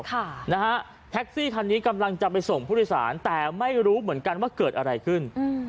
แท็กซี่คันนี้กำลังจะไปส่งพุทธศาลแต่ไม่รู้เหมือนกันว่าเกิดอะไรขึ้น